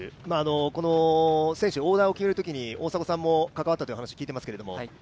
この選手、オーダーを決めるときに大迫さんも関わったと聞いていますけれども。